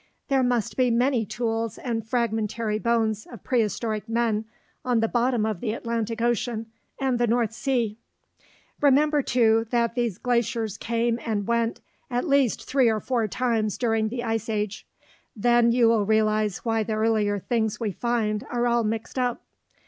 There must be many tools and fragmentary bones of prehistoric men on the bottom of the Atlantic Ocean and the North Sea. Remember, too, that these glaciers came and went at least three or four times during the Ice Age. Then you will realize why the earlier things we find are all mixed up.